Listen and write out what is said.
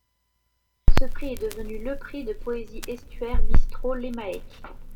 Ce prix est devenu le Prix de poésie Estuaire - Bistro Leméac.